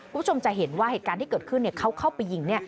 คุณผู้ชมจะเห็นว่าเหตุการณ์ที่เกิดขึ้นเขาเข้าไปยิง